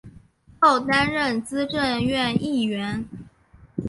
后担任资政院议员。